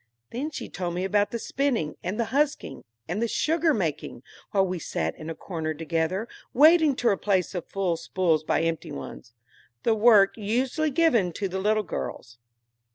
Then she told me about the spinning, and the husking, and the sugar making, while we sat in a corner together, waiting to replace the full spools by empty ones, the work usually given to the little girls.